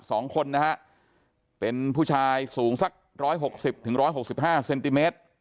สองคนนะฮะเป็นผู้ชายสูงสักร้อยหกสิบถึงร้อยหกสิบห้าเซนติเมตร